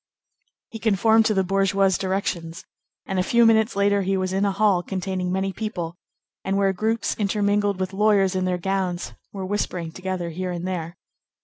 He conformed to the bourgeois's directions, and a few minutes later he was in a hall containing many people, and where groups, intermingled with lawyers in their gowns, were whispering together here and there.